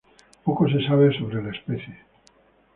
Poco se sabe sobre la especie.